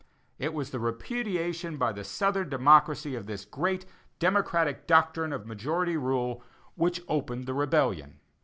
It was the repudiation by the southern democracy of this great democratic doctrine of majority rule which opened the rebellion.